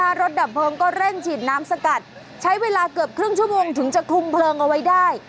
รถดับเพลิงก็เร่งฉีดน้ำสกัดใช้เวลาเกือบครึ่งชั่วโมงถึงจะคุมเพลิงเอาไว้ได้